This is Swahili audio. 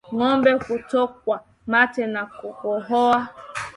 Ngombe kutokwa mate na kukohoa